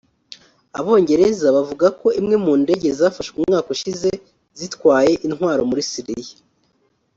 Abongereza bavugako imwe mu indege zafashwe umwaka ushize zitwaye intwaro muri Syria